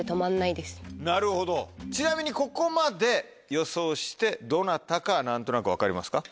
なるほどちなみにここまで予想してどなたか何となく分かりますか？